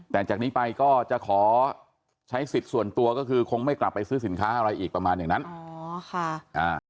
แต่จากนี้ไปก็จะขอใช้สิทธิ์ส่วนตัวก็คือคงไม่กลับไปซื้อสินค้าอะไรอีกประมาณอย่างนั้นอ๋อค่ะอ่า